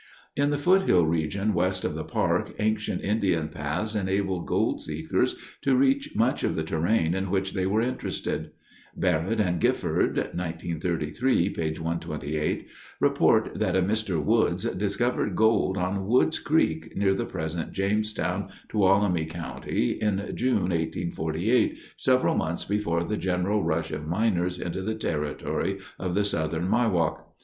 In the foothill region west of the park ancient Indian paths enabled gold seekers to reach much of the terrain in which they were interested. Barrett and Gifford (1933, p. 128) report that a Mr. Woods discovered gold on Woods Creek near the present Jamestown, Tuolumne County, in June, 1848, several months before the general rush of miners into the territory of the Southern Miwok.